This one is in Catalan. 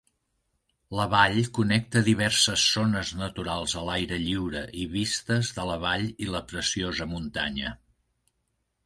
La vall connecta diverses zones naturals a l'aire lliure i vistes de la vall i la preciosa muntanya.